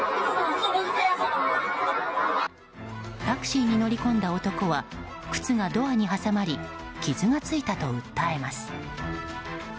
タクシーに乗り込んだ男は靴がドアに挟まり傷がついたと訴えます。